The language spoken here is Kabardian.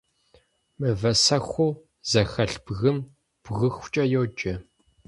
Мывэсэхуу зэхэлъ бгым бгыхукӏэ йоджэ.